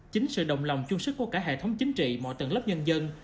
chính sự đồng lòng chung sức của cả hệ thống chính trị mọi tầng lớp nhân dân